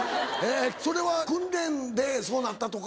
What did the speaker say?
それは訓練でそうなったとか？